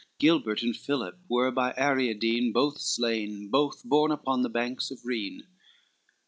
Gilbert and Philip were by Ariadene Both slain, both born upon the banks of Rhone.